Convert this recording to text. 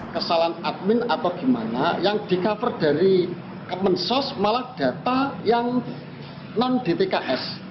kesalahan admin atau gimana yang di cover dari kemensos malah data yang non dtks